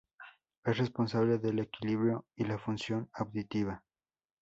Es responsable del equilibrio y la función auditiva.